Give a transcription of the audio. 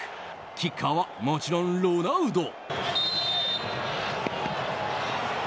キッカーは、もちろんロナウド。